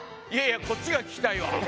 いやいやこっちが聞きたいわ。